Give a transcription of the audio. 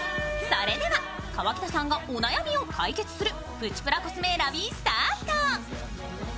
それでは河北さんがお悩みを解決するプチプラコスメ選びスタート。